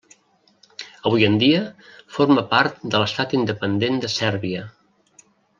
Avui en dia, forma part de l'estat independent de Sèrbia.